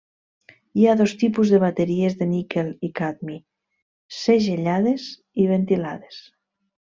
Hi ha dos tipus de bateries de Níquel i Cadmi: segellades i ventilades.